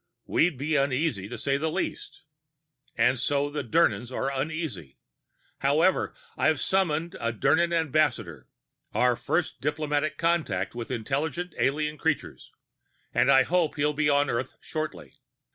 We'd be uneasy, to say the least. "And so the Dirnans are uneasy. However, I've summoned a Dirnan ambassador our first diplomatic contact with intelligent alien creatures! and I hope he'll be on Earth shortly.